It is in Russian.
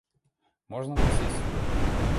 Можно мне сесть сюда?